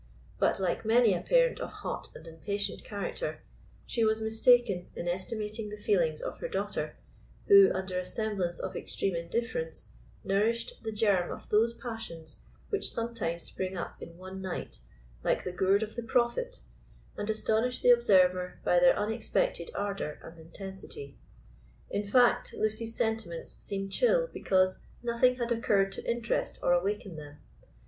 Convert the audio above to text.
But, like many a parent of hot and impatient character, she was mistaken in estimating the feelings of her daughter, who, under a semblance of extreme indifference, nourished the germ of those passions which sometimes spring up in one night, like the gourd of the prophet, and astonish the observer by their unexpected ardour and intensity. In fact, Lucy's sentiments seemed chill because nothing had occurred to interest or awaken them.